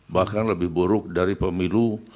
bahkan lebih buruk dari pemilu